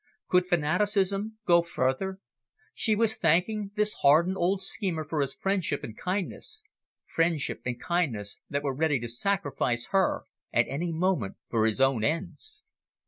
Could fanaticism go further? She was thanking this hardened old schemer for his friendship and kindness friendship and kindness that were ready to sacrifice her at any moment for his own ends.